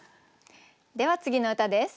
では次の歌です。